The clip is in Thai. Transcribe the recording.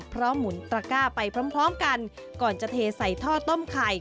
พร้อมหมุนตระก้าไปพร้อมกันก่อนจะเทใส่ท่อต้มไข่